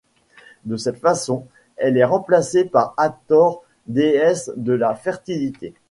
De cette façon, elle est remplacée par Hathor, déesse de la fertilité.